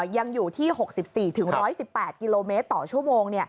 ยังอยู่ที่๖๔๑๑๘กิโลเมตรต่อชั่วโมง